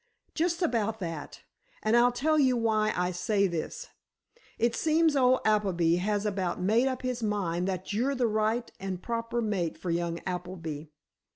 "Just about that. And I'll tell you why I say this. It seems old Appleby has about made up his mind that you're the right and proper mate for young Appleby.